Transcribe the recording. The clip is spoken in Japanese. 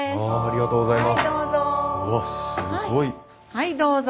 はいどうぞ。